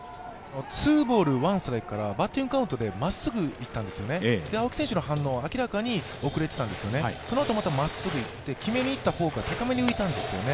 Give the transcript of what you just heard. ツーボール・ワンストライクからまっすぐいったんですよね、青木選手の反応は明らかに遅れていたんですよね、そのあとまたまっすぐにいって決めにいったフォークが高めに浮いたんですよね。